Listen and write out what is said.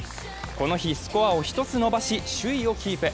この日、スコアを１つ伸ばし、首位をキープ。